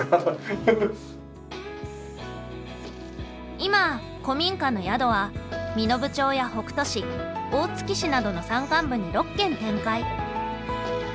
今古民家の宿は身延町や北杜市大月市などの山間部に６軒展開。